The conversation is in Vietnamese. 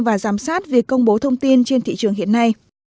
và giám sát việc công bố thông tin trên thị trường hiện nay